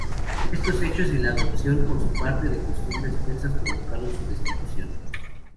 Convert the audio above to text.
Estos hechos y la adopción, por su parte, de costumbres persas provocaron su destitución.